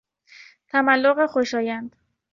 تملق خوشایند